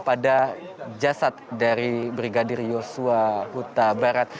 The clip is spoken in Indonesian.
pada jasad dari brigadir yosua huta barat